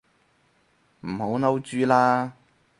唔好嬲豬啦